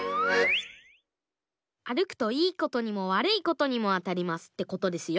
あるくといいことにもわるいことにもあたりますってことですよ。